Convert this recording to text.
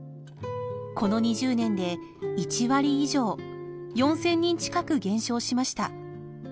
この２０年で１割以上４０００人近く減少しました。